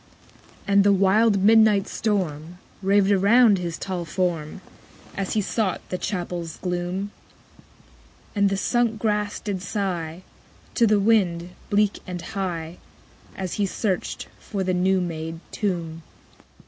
11. And the wild midnight storm Raved around his tall form, _60 As he sought the chapel's gloom: And the sunk grass did sigh To the wind, bleak and high, As he searched for the new made tomb.